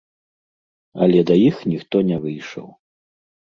Але да іх ніхто не выйшаў.